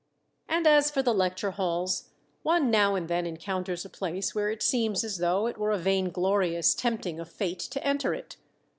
And as for the lecture halls, one now and then encounters a place where it seems as though it were a vain glorious tempting of fate to enter it.